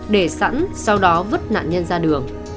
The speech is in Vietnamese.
để sẵn sau đó vứt nạn nhân ra đường